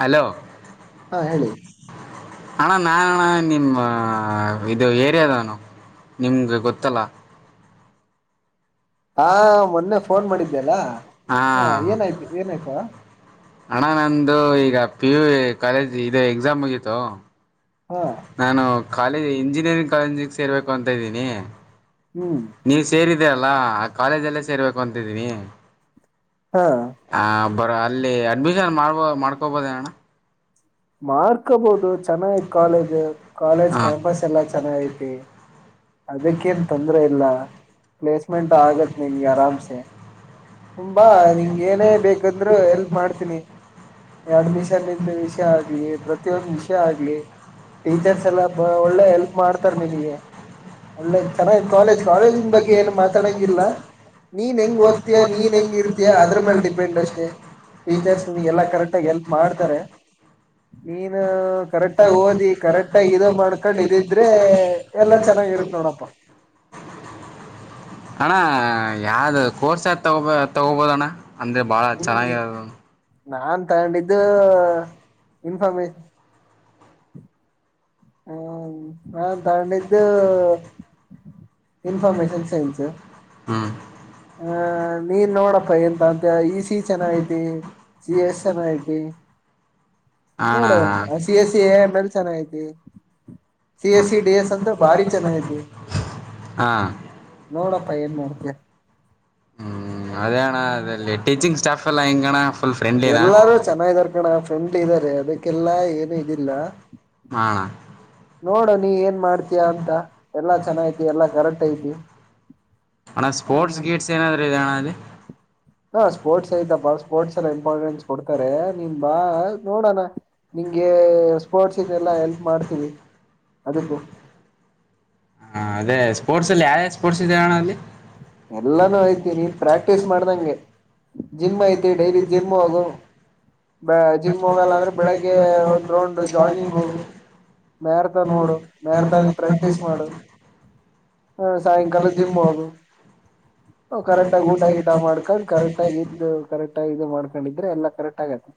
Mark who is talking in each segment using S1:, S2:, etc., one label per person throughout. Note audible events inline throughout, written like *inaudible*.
S1: hello
S2: ಹಾ ಹೇಳಿ
S1: ಅಣ್ಣ ನಾನಣ್ಣ ನಿಮ್ಮ ಇದು ಏರಿಯಾದಾನು ನಿಮ್ಗೆ ಗೊತ್ತಲ್ಲ
S2: ಆ ಮೊನ್ನೆ ಫೋನ್ ಮಾಡಿದ್ದೆಲ್ಲ
S1: ಹಾ
S2: ಏನಾಯ್ತು ಏನಾಯ್ತು
S1: ಅಣ್ಣ ನಂದು ಈಗ ಪಿ ಯು ಕಾಲೇಜ್ ಇದೆ ಎಕ್ಸಾಮ್ ಮುಗಿತು
S2: ಹಾ
S1: ನಾನು ಕಾಲೇಜ್ ಇಂಜಿನಿಯರಿಂಗ್ ಕಾಲೇಜಿಗೆ ಸೇರ್ಬೇಕು ಅಂತ ಇದ್ದೀನಿ
S2: ಹ್ಮ್
S1: ನೀವ ಸೇರಿದೀ ಅಲ್ಲ ಆ ಕಾಲೇಜಲ್ಲೇ ಸೇರ್ಬೇಕು ಅಂತಿದ್ದೀನಿ
S2: ಹಾ
S1: ಬರ ಅಲ್ಲಿ ಅಡ್ಮಿಷನ್ ಮಾಡ್ಬೋ ಮಾಡ್ಕೊಬೋದ ಅಣ್ಣ
S2: ಮಾರ್ಕಬಹದು ಚೆನ್ನಾಗ ಕಾಲೇಜ್ ಕಾಲೇಜ್
S1: ಹಾಂ
S2: ಕ್ಯಾಂಪಸ್ ಎಲ್ಲಾ ಚೆನ್ನ ಐತಿ ಅದಕ್ಕೇನ್ ತೊಂದರೆ ಇಲ್ಲ ಪ್ಲೇಸ್ಮೆಂಟ್ ಆಗತ್ ನಿನ್ಗೆ ಆರಾಮ್ಸೆ ತುಂಬ ನಿಂಗ ಏನೇ ಬೇಕಂದ್ರು ಹೆಲ್ಪ್ ಮಾಡ್ತೀನಿ ಅಡ್ಮಿಷನ್ಂದ ವಿಷಯ ಆಗ ಪ್ರ ೊಂದು ವಿಷಯ ಆಗ್ಲಿ ಟೀಚರ್ಸ್ ಎಲ್ಲಾ ಬ ಒಳ್ಳೆ ಹೆಲ್ಪ್ ಮಾಡ್ತಾರ ನಿನಗೆ ಒಳ್ಳೆ ಚೆನ್ನಾಗ ಕಾಲೇಜ್ ಕಾಲೇಜಿನ ಬಗ್ಗೆ ಏನು ಮಾತಾಡಂಗಿಲ್ಲ ನೀನ್ ಹೆಂಗ್ ಓದ್ತಿಯಯ ನೀನ್ ಹೆಂಗ ಇರ್ತಿಯಯ ಅದ್ರ ಮೇಲೆ ಡಿಪೆಂಡ್ ಅಷ್ಟೇ ಟೀಚರ್ಸ್ ನಿನ್ಗೆಲ್ಲಾ ಕರೆಕ್ಟಾಗಿ ಹೆಲ್ಪ್ ಮಾಡ್ತಾರೆ ನೀನು ಕರೆಕ್ಟ್ ಆಗ ಓದಿ ಕರೆಕ್ಟ್ ಆಗ ಇದು ಮಾಡ್ಕೊಂಡ್ ಇದಿದ್ರೆ ಎಲ್ಲಾ ಚೆನ್ನಾಗಿರುತ್ತ ನೋಡ ನೋಡಪ್ಪ
S1: ಅಣ್ಣ ಯಾವ್ದ ಕೋರ್ಸ್ ಯ ತಗೋಬ ತಗೋಬೋದಣ್ಣ ಅಂದ್ರೆ ಬಾಳ
S2: ಇನ್
S1: ಚೆನ್ನಾಗಿ
S2: ನಾನ್ ತಗೊಂಡಿದ್ದು ಇನ್ಫಾರ್ಮೇಶನ್ ಹೂ ಹ ತಗಂಡಿದೆ ಇನ್ಫರ್್ಮೇಶನ್ ಸೈನ್ಸ್
S1: ಹ್ಞೂ
S2: ಹಹ ನೀನ್ ನೋಡಪ್ಪ ಎಂತ ಅಂತ ಇ ಸಿ ಚೆನ್ನ ಗ್ ಐತಿ ಸಿ ಎಸ್ ಚೆನ್ನಗ್ ಐತಿ ೋಡ ಅ C A C A M
S1: ಅಣ್ಣ
S2: ಎಲ್ ಚೆನ್ನಾಗ್ ಐತಿ C S C D S ಅಂತರ ಭಾರಿ ಚೆನ್ನಾಗತಿ
S1: ಹಾ
S2: ನೋಡಪ್ಪಾ ಏನ್ ಮಾಡ್ತೀಯ
S1: ಹ್ಮ್ ಅದೇ ಅಣ್ಣ ಅದೇ ಫ್ರೆಂಡ್ಲಿನಾ
S2: ಎಲ್ಲಾರು ಚೆನ್ನಾಗಾರ ಕಣೋ ಫ್ರೆಂಡ್ ಇದಾರೆ ಅದ ಕ್ಕೆಲ್ಲಾ ಏನು ಇದಿಲ್ಲ
S1: ಹ
S2: ನೋಡ ನೀ ಏನ್ ಮಾಡ್ತಯ ಅಂತ ಎಲ್ಲಾ ಚೆನ್ನಾಗಿ ಎಲ್ಲಾ ಕರೆಕ್ಟ್ ಐತಿ
S1: ಅಣ್ಣ ಸ್ಪೋರ್ಟ್ಸ್ ಗಿಟ್ಸ್ ಏನಾದರುೂ ಇದೆ ಅಣ್ಣ ಅಲ್ಲಿ
S2: ಹಾ ಸ್ಪೋರ್ಟ್ಸ್ ಐ್ತಪ್ಪಾ ಸ್ಪೋರ್ಟ್ಸ್ ಎಲ್ಲ ಇಂಪಾರ್ಟೆನ್ಸ್ ಕೊಡ್ತಾರೆ ನಿನ್ ಬಾ ನೋಡೋಣ ನಿ ನಿಂಗೆ ಸ್ಪೋರ್ಟ್ಸ್ ಇನ್ನಲ್ಲಾ ಎಲ್ಪ್ ಮಾಡ್ತೀವಿ ಅದಕ್ಕೂ
S1: ಹಾ ಅದೇ ಸ್ಪೋರ್ಟ್ಸ್ ಅಲ್ಲಿ ಯಾರ್ಯ ಸ್ಪೋರ್ಟ್ಸ್ ಇದೆ ಅಣ್ಣಅಲ್ಲಿ
S2: ಎಲ್ಲಾನು ಐತಿ ನೀನ್ ಪ್ರಾಕ್ಟೀಸ್ ಮಾಡ್ದಂಗೆ ಜಿಮ್ ಐತಿ ಡೈಲಿ ಜಿಮ್ ಹೋಗು ಬ ಜಿಮ್ ಹೋಗಲ್ಲ ಅಂದ್ರೆ ಬೆಳಿಗ್ಗೆ ಒಂದ್ ರೌಂಡ್ ಜಾಗಿಂಗ್ ಹೋಗು ಮ್ಯಾರಥಾನ್ ನೋಡು ಮ್ಯಾರಥನ್ ಪ್ರಾಕ್ಟೀಸ್ ಮಾಡು ಹ ಸಾಯಂಕಾಲ ಜಿಮ್ ಹೌದು ಕರೆಕ್ಟ್ ಆಗ ಊಟ ಗೀಟ ಮಾಡ್ ಕಕೊಂಡ್ ಕರೆಕ್ಟ್ ಆಗ ಎ ಕರೆಕ್ಟ್ ಆಗ ಇ ಮಾಡ್ಕೊಂಡಿದ್ರೆ ಎಲ್ಲಾ ಕರೆಕ್ಟ್ ಆಗತ್ತೆ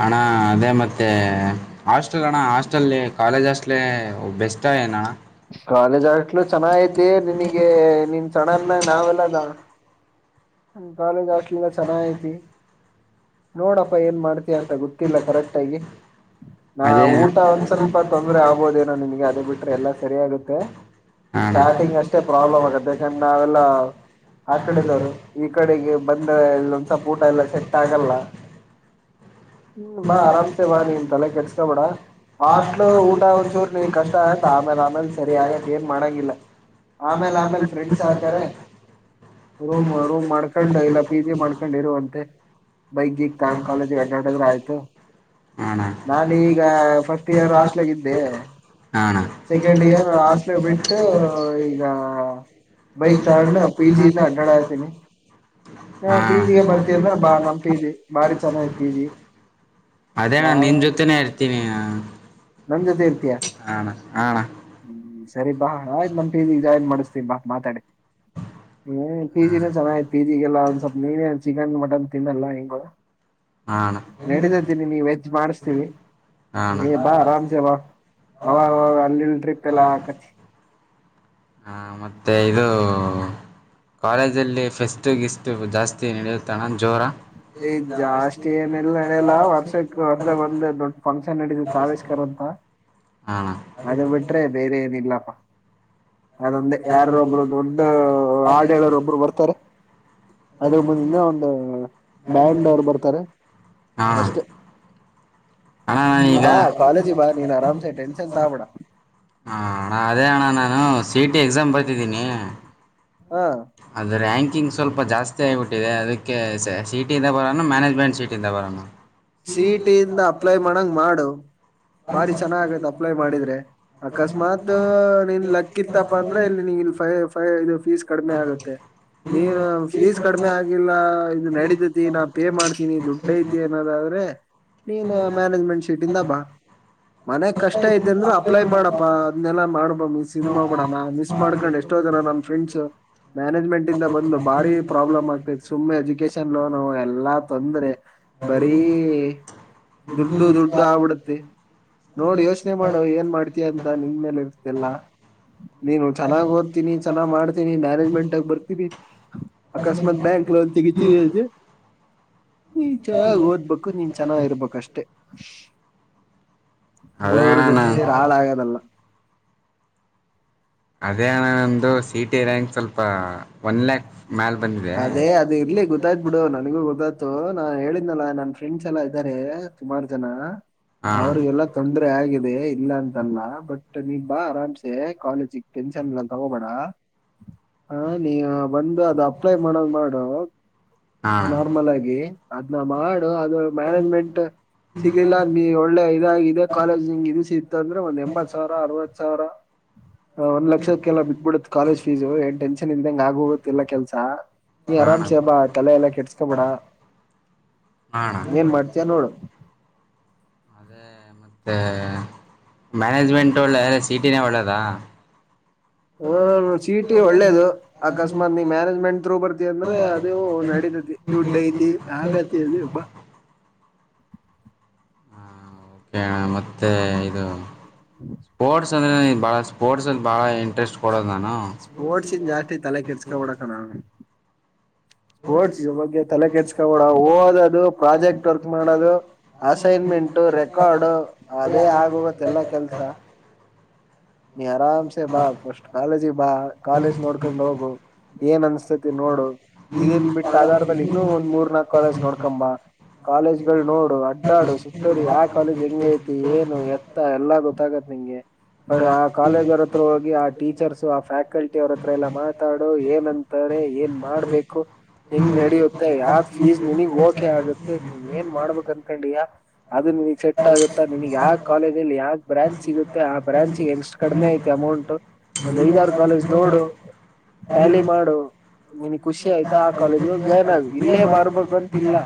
S1: ಹಣ ಅದೇ ಮತ್ತೆ ಹಾಸ್ಟೆಲ್ ಅಣ್ಣ ಹಾಸ್ಟೆಲ್ ಕಾಲೇಜ್ ಅಷ್ಟಲೇ ಬೆಸ್ಟ್ ಇಷ್ಟಏನ
S2: ಕಾಲೇಜ್ ಆಟ್ಲು ಚೆನ್ನ ಐತಿ ನಿನಗೆ ನೀನ್ ಸಡನ್ಗ ನಾವೆಲ್ಲದ ಹ ಕಾಲೇಜ್ ಆಷ್ಟಟ್ಲಿಂದ ಚೆನ್ನ ಐತಿ ನೋಡಪ್ಪಾ ಏನ್ ಮಾಡ್ತಯ ಅಂತ ಗೊತ್ತಿಲ್ಲ ಕರೆಕ್ಟ್ ಆಗಿ ನಾ
S1: ಅದೇ
S2: ಊಟ ಒಂದ್ ಸ್ವಲ್ಪ ತೊಂದ್ರೆ ಆಗ್ಬೋದೇನೋ ನಿನ್ಗೆ ಅದು ಬಿಟ್ರೆ ಎಲ್ಲಾ ಸರಿ ಆಗುತ್ತೆ
S1: ಹಾ ಅಣ್ಣ ಹಾ
S2: ಸ್ಟಾರ್ಟಿಂಗ್ ಅಷ್ಟೇ ಪ್ರಾಬ್ಲಮ್ ಆಗತ್ತ ಯಾಕಂದ್ರೆ ನಾವೆಲ್ಲ ಆಾ ಕಡೆದವ್ರು ಈ ಕಡೆಗೆ ಬಂದ ಎಲ್ಲೊಂದಸಪೋಟ ಎಲ್ಲ ಸೆಟ್ ಆಗಲ್ಲ ಹ್ಮ್ ಬಾ ಆರಾಮ್ಸೆ ಬಾ ನೀನ್ ತಲೆ ಕೆಟ್ಸ್ಕೋಬೇಡ ಮಾಷ್ಟಲು ಊಟ ಒಂದಚೂರು ನಿನ್ ಕಷ್ಟ ಆಗತ್ ಆಮೇಲ್ ಆಮೇಲ್ ಸರಿ ಆಗತ್ ಏನ್ ಮಾಡಂಗಿಲ್ಲ ಆಮೇಲೆ ಆಮೇಲೆ ಫ್ರೆಂಡ್ಸ್ ಹಾಕಾರೆ ರಮ್್ ಮಾಡ್ಕೊಂಡ ಇಲ್ಲ ಪೀದಿ ಮಾಡ್ಕೊಂಡ್ ಇರುವಂತೆ ಬೈಗ್ ಈಗ ತಂಗ್ ಕಾಲೇಜ್ ಕರ್ನಾಟಕ್ರ ಆಯ್ತು
S1: ಅಣ್ಣ
S2: ನಾನೀಗ ಫಸ್ಟ್ ಇಯರ್ ಆಸ್ಟ್ಲಗಿದ್ದೆ
S1: ಹಾ ಅಣ್ಣ
S2: ಸೆಕೆಂಡ್ ಇಯರ್ ಹಾಸ್ಟ್ಲ ಬಿಟ್ಟು ಈಗ ಬೈಕ್ ತಗೊಂಡ ಪಿ ಜಿ ಇದ ಅಡರಣ ಆಯ್ತೀನಿ
S1: ಹಾ
S2: ಬಾ ನಮ್ ಪಿ
S1: *unintelligible*
S2: ಜಿ ಬಾರಿ ಚೆನ್ನಾಗಿ ಪಿ ಜಿ
S1: ಅದೇ ನಾನ್
S2: ನಾವ್
S1: ನಿನ್ ಜೊತೆನೆೇ ಇರ್ತೀನಿ ಹ
S2: ನಮ್ ಜೊತೆ ಇರ್ತೀಯ
S1: ಆಣ
S2: ಹ್ಮ್ ಸರಿ ಬಾ ಆಯ್ತತ್ ನಮ್ದ ಜಾಯ್ನ್ ಮಾಡಿಸ್ತೀನ್ ಬಾ ಮಾತಾಡಿ ಹ್ಮ ಪಿಜಿನ ಚೆನ್ನಾಗತಿ ಪೀಜಿಗೆಲ್ಲ ಒಂದ್ ಸ್ವಲ್ಪ ನೀನೇ ಚಿಕನ್ ಮಟನ್ ತಿನ್ನಲ್ಲ ಹಿಂಗ
S1: ಅಣ
S2: ನಡೀತಿದ್ದೀನಿ ನೀವು ವೆಜ್ಜ್ ಮಾಡಿಸತೀವಿ
S1: ಅಣ
S2: ನೀ ಹಾ ಆರಾಮ್ ಸೇ ಬಾ ಅವಾಗ್ ಅವಾಗ್ ಅಲ್ಲಿ ಎಲ್ಲಿ ಟ್ರಿಪ್ಯಲ್ಲ
S1: ಹಾ ಮತ್ತೆ ಇದು ಕಾಲೇಜಲ್ಲಿ ಫೆಸ್ಟ್ ಗಿಫ್ಟು ಜಾಸ್ತಿ ನಡೆಯುತ್ತಾನ ಜೋರ *unintelligible*
S2: ಈ ಜಾಸ್ತಿ ಏನೆಲ್ಲ ನಡೆಯಲ್ಲ ವರ್ಷಕ್ಕೆ ಅರ್ಧ ಒಂದ್ ದೊಡ್ಡ ಫಂಕ್ಷನ್ ನಡೀತದೆ ಆವಿಷ್ಕಾರ ಅಂತ
S1: ಹ *inaudible*
S2: ಅದ ಬಿಟ್ರೆ ಬೇರೆ ಏನಿಲ್ಲಪ್ಪಾ ಅದಂದೆ ಯಾರ ಒಬ್ರು ದೊಡ್ ಆಡಳರು ಒಬ್ರು ಬರ್ತಾರೆ ಅದ್ರ ಮುಂದಿನ ಒಂದು ಬ್ಯಾಂಡ್ ಅವರು ಬರ್ತಾರೆ
S1: ಹಾ
S2: ಅಷ್ಟೇ
S1: ಅಣ್ಣ ನಾನು
S2: ನೀ
S1: ಈಗ
S2: ಬಾ ಕಾಲೇಜಿ ಬಾ ನೀನು ಆರಾಮಸೆ ಟೆನ್ಷನ್ ತಾಬಿಡ
S1: ಹಾ ಅಣ ಅದೇ ಅಣ್ಣ ನಾನು ಸಿ ಇ ಟಿ ಎಕ್ಸಾಮ್ ಬರ್ತಿದ್ದೀನಿ
S2: ಹಾ
S1: ಅದು ರ್ಯಾಂಕಿಂಗ್ ಸ್ವಲ್ಪ ಜಾಸ್ತಿ ಆಗಬಿಟ್ಟಿದೆ ಅದಕ್ಕೆ ಸೀ
S2: ಸಿಟಿ ಇಂದ ಅಪ್ಲೈ ಮಾಡಂಗ ಮಾಡು ಬಾರಿ ಚೆನ್ನಾಗತ್ ಅಪ್ಲೈ ಮಾಡಿದ್ರೆ ಅಕಸ್ಮಾತ್ ನಿನ್ ಲಕ್ಕ ಇತ್ತಪ್ಪ ಅಂದ್ರೆ ಇಲ್ಲಿ ನಿ ಫೈ ಫೈ ಇದು ಫೀಸ್ ಕಡಿಮೆ ಆಗುತ್ತೆ ನೀನು ಫೀಸ್ ಕಡಿಮೆ ಆಗಿಲ್ಲ ಇದು ನಡೀತ ಐತಿ ನಾ ಪೇ ಮಾಡ್ತೀನಿ ದುಡ್ಡ ಐತಿ ಅನ್ನೋದಾದ್ರೆ ನೀನ್ ಮ್ಯಾನೇಜ್ಮೆಂಟ್ ಶೀಟ ಇಂದ ಬಾ ಮನೆಗ್ ಕಷ್ಟ ಐತಿ ಅಂದ್ರೆ ಅಪ್ಲೈ ಮಾಡಪ್ಪಾ ಅದ್ನೆಲ್ಲ ಮಾಡಬ ಮಿಸ್ ಇದು ಮಾಡ್ಬ ಬಿಡ ನ ಮಿಸ್ ಮಾಡ್ಕೊಂಡ್ ಎಷ್ಟೋ ಜನ ನನ್ ಫ್ರೆಂಡ್ಸ್ ಮ್ಯಾನೇಜ್ಮೆಂಟ್ ಇಂದ ಬಂದು ಬಾರಿ ಪ್ರಾಬ್ಲಮ್ ಆಗ್ತೈತಿ ಸುಮ್ಮನೆ ಎಜುಕೇಶನ್ ಲೋನ್ ಎಲ್ಲ ತೊಂದರೆ ಬರೀ ದುಡ್ಡು ದುಡ್ಡು ಆಬಿಡುತ್ತೆ ನೋಡ್ ಯೋಚನೆ ಮಾಡು ಏನ್ ಮಾಡ್ತಯ ಅಂತ ನಿನ್ ಮೇಲೆ ಇರ್ತಿಲ್ಲಾ ನೀನು ಚೆನ್ನಾಗ್ ಓದ್ತೀನಿ ಚೆನ್ನಾಗ್ ಮಾಡ್ತೀನಿ ಮ್ಯಾನೇಜ್ಮೆಂಟ್ಗ ಬರ್ತೀನಿ ಅಕಸ್ಮಾತ್ ಬ ತೆಗಿತಿಯೇ ನೀ ಚೆನಾಗ್ ಓದ್ಬೇಕು ನೀನ್ ಚೆನ್ನಾಗಿರ್ಬೇಕಷ್ಟೆ
S1: ಅದೇ
S2: ಹುಡುಗ್ರು
S1: ಅಣ್ಣ
S2: ಜೊತೆ ಸೆರ್
S1: ನಾನು
S2: ಹಾಳಾಗದಲ್ಲ
S1: ಅದೇ ಅಣ ನಂದು ಸಿ ಟಿ ರ್ಯಾಂಕ್ ಸ್ವಲ್ಪ ಒನ್ ಲ್ಯಾಕ್ ಮ್ಯಾಲ ಬಂದಿದೆ
S2: ಅದೇ ಅದು ಇರ್ಲಿ ಗೊತ್ತಾಯ್ತ್ ಬಿಡು ನನಿಗ್ ಗೊತ *inaudible* ದು ನಾನ್ ಹೇಳಿದ್ನಲ್ಲಾ ನನ್ ಫ್ರೆಂಡ್ಸ್ ಎಲ್ಲಾ ಇದರೆ ಸುಮಾರು ಜನ
S1: ಹಾಂ
S2: ಅವ್ರಿಗೆಲ್ಲಾ *unintelligible* ದೆ ಇಲ್ಲ ಅಂತಲ್ಲ ಬಟ್ ನೀ ಬಾ ಅರಾಮ್ಸೆ ಕಾಲೇಜ ಟೆನ್ಷನ್ ಎಲ್ಲ ತಗೋಬೇಡ ಹಾ ನೀ ಆ ಬಂದು ಅದು ಅಪ್ಲೈ ಮಾಡದ್ ಮಾಡು
S1: ಹಾಂ
S2: ನಾರ್ಮಲ್ ಆಗಿ ಅದ್ನ ಮಾಡು ಅದು ಮ್ಯಾನೇಜ್ಮೆಂಟ್ ಸಿಗ್ಲಿಲ್ಲ ನೀ ಒಳ್ಳೆ ಇದಾಗ ಇದೆ ಕಾಲೇಜ್ ನಿಂಗ ಇದು ಸಿಗ್ತಂದ್ರೆ ಒಂದ್ ಎಂಬತ್ ಸಾವಿರ ಅರ್ವತ್ ಸಾವಿರ ಒಂದ ಲಕ್ಷಕ್ಕೆಲ್ಲ ಬಿದ್ಧ್ಬಿಡುತ್ತೆ ಕಾಲೇಜ್ ಫೀುಜು ಏನ್ ಟೆನ್ಶನ್ ಇಲ್ದ್ಯಾಂಗ್ *unintelligible* ಎಲ್ಲ ಕೆಲ್ಸ ನೀ
S1: ಹಾಂ
S2: ಆರಾಮ್ಸೆ ಬಾ ತಲೆ ಎಲ್ಲ ಕೆಡ್ಸ್ಕಬೇಡ
S1: ಹಾಂ
S2: ಏನ್ ಮಾಡ್ತಿಯಾ ನೋಡು
S1: ಅದೇ ಮತ್ತೆ ಮ್ಯಾನೇಜ್ಮೆಂಟ್ ಒಳ್ಳ ಸೀಟಿನೇ ಒಳ್ಳೇದ
S2: ಹ್ಮ ಸೀಟಿ ಒಳ್ಳೇದು ಅಕಸ್ಮಾತ್ ನೀ್ ಮ್ಯಾನೇಜ್ಮೆಂಟ್ ಥ್ರೂ ಬರ್ತ ಅಂದ್ರೆ ಅದು *unintelligible* ದುಡ್ಡಐತಿ ಆಗತಿ ಅದು ಬಾ
S1: *inaudible* ಹ ಮತ್ತೆ ಇದು ಸ್ಪೋಟ್ಸ್ *unintelligible* ಬಹಳ ಸ್ಪೋಟ್ಸ್ ಅಲ್ಲಿ ಬಹಳ
S2: ಸ್ಪೋರ್ಟ್ಸ ಈನ್ ಜಾಸ್ತಿ ತಲೆ ಕೆಡ್ಸ್ಕಬೇಡ ಕನೊ ಓಡ್ಸಿ ಬಗ್ಗೆ ತಲೆ ಕೆಡ್ಸ್ಕೊಬೇಡ ಓದದು ಪ್ರಾಜೆಕ್ಟ್ ವರ್ಕ್ ಮಾಡದು ಅಸೈನ್ಮೆಂಟು ರೆಕಾರ್ಡು ಅದೇ ಆಗೋಗುತ್ತೆ ಎಲ್ಲ ಕೆಲ್ಸ ನೀ ಆರಾಮ್ಸೆ ಬಾ ಫಸ್ಟ್ ಕಾಲೇಜಿಗೆ ಬಾ ಕಾಲೇಜ್ ನೋಡ್ಕೊಂಡ್ ಹೋಗು ಏನ್ ಅನ್ಸ್ತೇತಿ ನೋಡು ಇದನ್ ಬಿಟ್ಟ ಆಧಾರ ಮೇಲೆ ಇನ್ನುೂ ಒಂದ್ ಮೂರ್ ನಾಕು ಕಾಲೇಜ್ ನೋಡ್ಕಂಬ ಕಾಲೇಜ್ಗಳು ನೋಡು ಅಡ್ಡಾಡು ಸುತ್ತೂರಿ ಯ ಕಾಲೇಜ್ ಹೆಂಗ ಐತಿ ಏನು ಎತ್ತ ಎಲ್ಲಾ ಗೊತ್ತಾಗತ್ ನಿಂಗೆ *unintelligible* ಆ ಕಾಲೇಜ್ ಅವ್ರ ಹತ್ರ ಹೋಗಿ ಆ ಟೀಚರ್ಸ್ ಆ ಫ್ಯಾಕಲ್ಟಿ ಅವ್ರ ಹತ್ರ ಎಲ್ಲ ಮಾತಾಡು ಏನಂತಾರೆ ಏನ್ ಮಾಡ್ಬೇಕು ಹಂಗ್ ನಡಿಯುತ್ತೆ ಯಾವ್ ಫೀಸ್ ನಿನಗ್ ಓಕೆ ಆಗುತ್ತೆ ನೀ ಏನ್ ಮಾಡ್ಬೇಕ್ ಅನ್ಕೊಂಡಿಯ ಅದನ್ನ ನೀನಿಗ್ ಸೆಟ್ ಆಗುತ್ತಾ ನಿನಿಗ್ ಯಾವ ಕಾಲೇಜಲ್ಲಿ ಯಾವ ಬ್ರಾಂಚ್ ಸಿಗುತ್ತೆ ಆ ಬ್ರಾಂಚ್ ಎನ್ಷ್ಟ ಕಡಿಮೆ ಐತಿ ಅಮೌಂಟ್ ಒಂದ್ ಐದಾರ ಕಾಲೇಜ್ ನೋಡು ಟ್ಯಾಲಿ ಮಾಡು ನಿನಿಗೆ ಖುಷಿ ಆಯ್ತಾ ಆ ಕಾಲೇಜ್ಗ ಓಗಿ ಜಾಯ್ನ್ ಆಗ ಇಲ್ಲೇ ಬಾರ್ಬೆಕಾಂತಿಲ್ಲ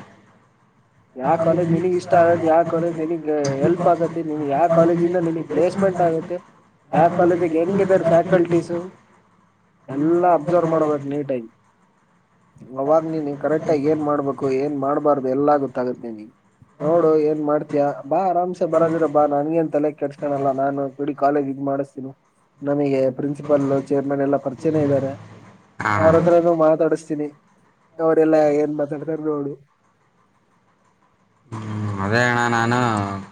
S2: ಯಾವ ಕಾಲೇಜ್ ನಿನಗ್ ಇಷ್ಟ ಆಗೆ ಯಾ ಕಾಲೇಜ್ ನಿನಗ್ ಎಲ್ಪ್ ಆಗತಿ ನಿನಿಗಾ ಯಾ ಕಾಲೇಜಿಂದ ನಿಂಗ್ ಪ್ಲೇಸ್ ೆಟ್ ಆಗುತ್ತೆ ಯಾವ ಕಾಲೇಜಿಗೆ ಹೆಂಗಿದರ್ ಫ್ಯಾಕಲ್ಟೀಸು ಎಲ್ಲಾ ಅಬ್ಸರ್ವ್ ಮಾಡ್ಬೇಕು ನೀತ್ ಅಗಿ ಅವಾಗ್ ನೀನು ಕರೆಕ್ಟಾಗಿ ಏನ್ ಮಾಡ್ಬೇಕು ಏನ್ ಮಾಡ್ಬಾರ್ದು ಎಲ್ಲ ಗೊತ್ತಾಗದ್ ನಿನ್ ನೋಡು ಏನ್ ಮಾಡ್ತಿಯಾ ಬಾ ಅರಾಮ್ಸೆ ಬರದಿರ ಬಾ ನಂಗೆನ್ನ್ ತಲೆ ಕೆಡಸ್ಕನಲ ನಾನು ಬಿಡಿ ಕಾಲೇಜ್ *unintelligible* ಮಾಡಿಸೀ ನನಿಗೆ ಪ್ರಿನ್ಸಿಪಲ್ ಚೇರ್ಮನ್ ಎಲ್ಲಾ ಪರಿಚಯನ ಇದರೆ
S1: ಹಾಂ
S2: ಅವ್ರತ್ರನು ಮಾತಾಡಿಸ್ತಿನಿ ಅವರೆಲ್ಲ ಏನ್ ಮಾತಾಡ್ತಾರ ನೋಡು
S1: ಹ್ಮ ಅದೆ ಅಣ್ಣ ನಾನು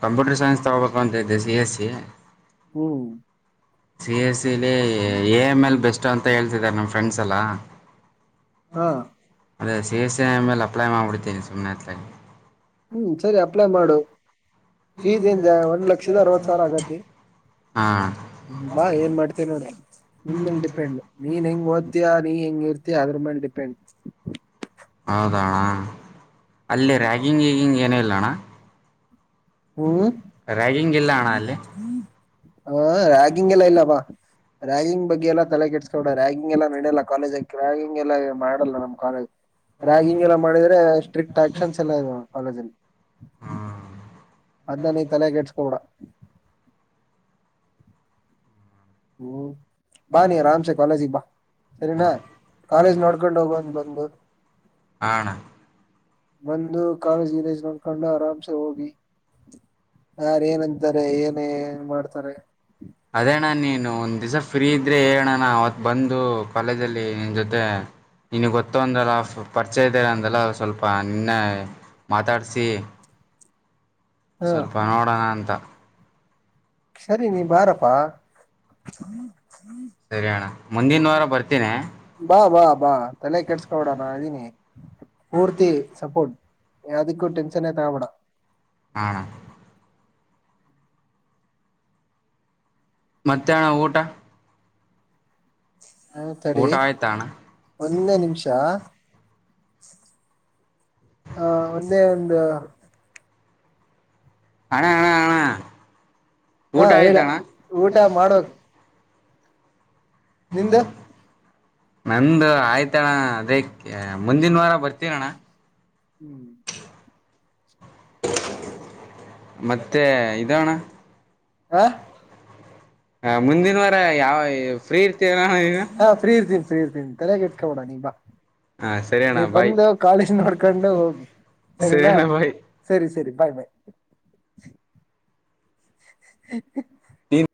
S1: ಕಂಪ್ಯೂಟರ್ ಸೈನ್ಸ್ ತಗೋಬೇಕು ಅಂತಿದ್ದೆ ಸಿಎಸಿ
S2: ಹ್ಮ್
S1: ಸಿ ಎಸಿಲಿ ಎಐ ಎಂಎಲ್ ಬೆಸ್ಟ್ ಅಂತ ಹೇಳ್ತಿದ್ದಾರೆ ನಮ್ ಫ್ರೆಂಡ್ಸ್ ಎಲ್ಲ
S2: ಹಾ
S1: ಸಿಎಸ್ಇ *unintelligible* ಅಪ್ಲೈ ಮಾಡ್ಬಿಡ್ತೀನಿ ಸುಮ್ನೆ ಅಥ್ಲಗಿ
S2: ಹ್ಮ್ ಸರಿ ಅಪ್ಲೈ ಮಾಡು ಫೀಸ್ *unintelligible* ಒಂದ್ ಲಕ್ಷದ ಅರವತ್ ಸಾವಿರ ಆಗತಿ
S1: ಹಾಂ
S2: ಬಾ ಏನ್ ಮಾಡ್ತಿಯಾ ನೋಡ ನಿನ್ಮೆಲ್ಲ್ ಡಿಪೆಂಡ್ ನೀನ್ ಹೆಂಗ್ ಓದ್ತಿಯಾ ನೀನ್ ಹೆಂಗ ಇ ಯ ಅದ್ರ ಮೆಲ್ ಡಿಪೆಂಡ್
S1: ಹೌದಣ್ಣ ಅಲ್ಲಿ ರ್ಯಾಗಿಂಗ್ ಈೀಗಿಂಗ್ ಏನ ಇಲ್ಲ ಅಣ್ಣ
S2: ಹ್ಮ್
S1: ರ್ಯಾಗಿಂಗ್ ಇಲ್ಲ ಅಣ್ಣ ಅಲ್ಲಿ
S2: ಹಾ ರ್ಯಾಗಿಂಗ್ ಎಲ್ಲ ಇಲ್ಲಪ್ಪ ರ್ಯಾಗಿಂಗ್ ಬಗ್ಗೆ ಎಲ್ಲ ತಲೆ ಕೆಿಸಸ್ಕೋಡ ರ್ಯಾಗಿಂಗ್ ಎಲ್ಲ ನಡೆಯಲ್ಲ ಕಾಲೇಜಕ್ ರ್ಯಾಗಿಂಗ್ ಎಲ್ಲ ಮಾಡಲ್ಲ ನಮ್ಮ್ ಕಾಲೇಜ್ ರ್ಯಾಗಿಂಗ್ ಎಲ್ಲ ಮಾಡಿದ್ರೆ ಸ್ಟ್ರಿಕ್ಟ್ ಆಕ್ಷನ್ಸ್ ಎಲ್ಲ ಇದ ಕಾಲೇಜಲ್ಲಿ
S1: ಹಾಂ
S2: ಅದನ್ನನ ಈ ತಲೆಗೆ ಎಟ್ಸ್ಕೊಬಡ ಹ್ಮ್ ಬಾ ನೀ ಆಾಮಸ ಕಾಲಜ ಇ ಬಾ ಸರಿನಾ ಕಾಲೇಜ್ ನೋಡ್ಕೊಂಡ್ ಹೋಗಂದ ಬಂದು
S1: ಹಣ
S2: ಒಂದು ಕಾಲೇಜ್ ಇದೆ ಕೊಂಡು ಆರಾಮ್ಸೆ ಹೋಗಿ ಯಾರ ಏನಂತಾರೆ ಏನೇ ಮಾಡ್ತಾರೆ
S1: ಅದೇ ಅಣ್ಣ ನೀನು ಒಂದು ದಿವಸ ಫ್ರೀ ಇದ್ದರೆ ಹೇಳೋಣ ಅವತ್ತು ಬಂದು ಕಾಲೇಜಲ್ಲಿ ನಿನ್ನ ಜೊತೆ ನಿಿನ ಗೊತ್ತ ಅಂದಲ್ಲ ಪರಿಚಯ ಇದರ ಅಂದಲ್ಲ ಸ್ವಲ್ಪ ನಿನ್ನೆ ಮಾತಾಡಿಸಿ
S2: ಹ
S1: ಸ್ವಲ್ಪ ನೋಡೋಣ ಅಂತ
S2: ಸರಿ ನೀ ಬಾರಪ್ಪಾ
S1: ಸರಿಯಣ್ಣ ಮುಂದಿನ ವಾರ ಬರ್ತೀನಿ
S2: ಬಾ ಬಾ ಬಾ ತಲೆ ಕೆಟ್ಸ್ಕೋಡಣ ಅದೀನಿ ಪೂರ್ತಿ ಸಪೋರ್ಟ್ ಯಾವ್ದಿಕ್ಕೂ ಟೆನ್ಶನ್ೇ ತಗಬೇಡ
S1: ಹಾ ಮಧ್ಯಾಹ್ನ ಊಟ
S2: ಹ ತಡಿ
S1: ಊಟ ಆಯ್ತಾ ಅಣ್ಣ
S2: ಒಂದೇ ನಿಮಿಷ ಹಾ ಒಂದೆ ಒಂದು
S1: ಹಣ್ಣ ಅಣ್ಣ ಅಣ್ಣ
S2: ಹಾ
S1: ಊಟ
S2: ಹೇಳ
S1: ಆಯ್ತ ಅಣ್ಣ
S2: ಊಟ ನಿ್ದು
S1: ನಂದುು ಆಯ್ತಣ್ಣ ಅದೇ ಮುಂದಿನ ವಾರ ಬರ್ತೀರೋಣ ಮತ್ತೆ ಇದಣ
S2: ಹ
S1: ಮುಂದಿನ ವಾರ ಯಾವ ಫ್ರೀ ಇರ್ತೀರಣ್ಣ ನೀನು
S2: ಹಾ ಫ್ರೀ ಇರ್ತಿೀನ ಫ್ರೀ ಇರ್ತಿನ ತಲೆ ಕೆಟ್ ಕವಡ ನೀ ಬಾ
S1: ಹಾ ಸರಿ ಅಣ್ಣ
S2: ನೀ
S1: ಬಾಯ್
S2: ಬಂದು ಕಾಲೇಜ್ ನೋಡ್ಕೊಂಡು ಹೋಗಿ
S1: ಸರಿ
S2: ಸರಿನಾ
S1: ಅಣ್ಣ ಬಾಯ್
S2: ಸರಿ ಸರಿ ಬಾಯ್ ಬಾಯ್
S1: ನೀ
S2: *inaudible*